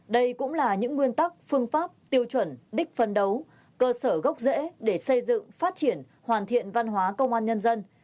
đây cũng là những nguyên tắc phương pháp tiêu chuẩn đích phân đấu cơ sở gốc rễ để xây dựng phát triển hoàn thiện văn hóa công an nhân dân